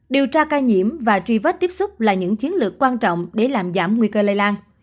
điều tra ca nhiễm và truy vết tiếp xúc là những chiến lược quan trọng để làm giảm nguy cơ lây lan